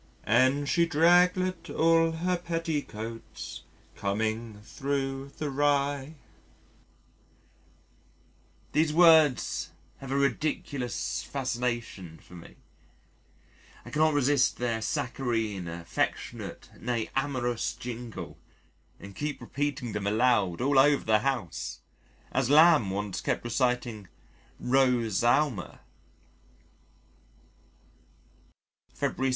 "And she draiglet all her petticoatie, Coming thro' the rye." These words have a ridiculous fascination for me; I cannot resist their saccharine, affectionate, nay amorous jingle and keep repeating them aloud all over the house as Lamb once kept reciting "Rose Aylmer." February 16.